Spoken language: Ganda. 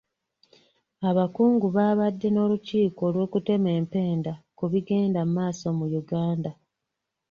Abakungu baabadde n'olukiiko olw'okutema empenda ku bigenda maaso mu Uganda.